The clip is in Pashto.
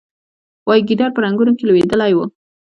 وایي ګیدړ په رنګونو کې لوېدلی و.